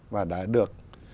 và đã được